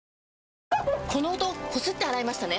この音こすって洗いましたね？